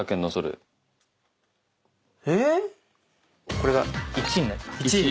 これが１になります。